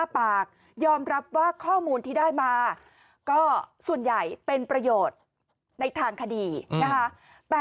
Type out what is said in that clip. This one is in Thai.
ปากยอมรับว่าข้อมูลที่ได้มาก็ส่วนใหญ่เป็นประโยชน์ในทางคดีนะคะ